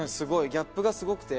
ギャップがすごくて。